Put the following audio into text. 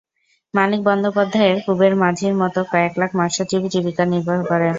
মানিক বন্দ্যোপাধ্যায়ের কুবের মাঝির মতো কয়েক লাখ মৎস্যজীবী জীবিকা নির্বাহ করে।